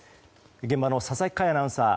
現場の佐々木快アナウンサー